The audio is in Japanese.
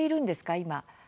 今。